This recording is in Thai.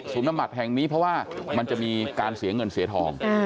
บำบัดแห่งนี้เพราะว่ามันจะมีการเสียเงินเสียทอง